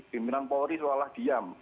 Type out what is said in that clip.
pimpinan polri seolah diam